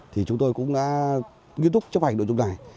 thì chúng tôi cũng đã nghiên túc chấp hành đội dụng này